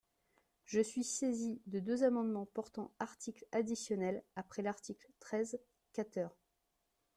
Je suis saisie de deux amendements portant article additionnel après l’article treize quater.